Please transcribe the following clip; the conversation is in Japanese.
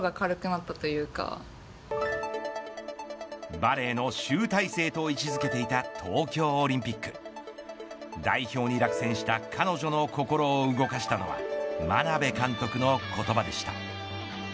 バレーの集大成と位置づけていた東京オリンピック代表に落選した彼女の心を動かしたのは眞鍋監督の言葉でした。